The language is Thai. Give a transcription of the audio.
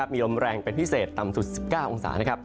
มีลมแรงเป็นพิเศษต่ำสุด๑๙องศา